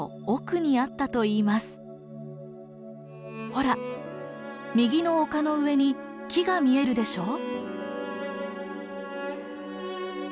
ほら右の丘の上に木が見えるでしょう。